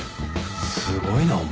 すごいなお前。